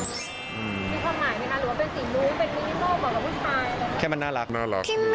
มีความหมายด้วยนะหรือว่าเป็นสิ่งหมู